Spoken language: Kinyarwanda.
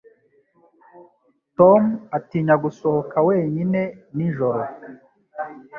Tom atinya gusohoka wenyine nijoro